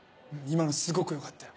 今のすごく良かったよ。